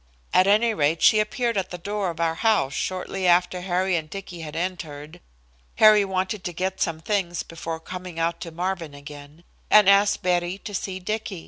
"At any rate, she appeared at the door of our house shortly after Harry and Dicky had entered Harry wanted to get some things before coming out to Marvin again and asked Betty to see Dicky.